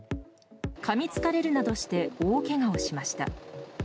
かみつかれるなどして大けがをしました。